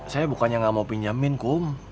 saya bukannya gak mau pinjemin kum